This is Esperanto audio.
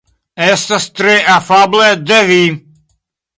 Estas tre afable de vi.